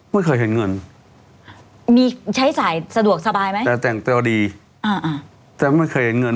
ไม่เคยเห็นเงินมีใช้จ่ายสะดวกสบายไหมแต่แต่งตัวดีอ่าแต่ไม่เคยเห็นเงิน